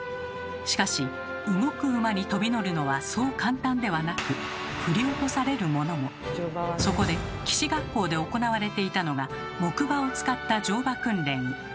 しかし動く馬にとび乗るのはそう簡単ではなくそこで騎士学校で行われていたのが木馬を使った乗馬訓練。